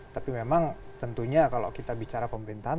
tapi memang tentunya kalau kita bicara pemerintahan